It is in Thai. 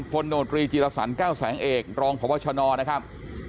ผลโนตรีจีฬสรรค์๙แสงเอกรองพบชนนะครับ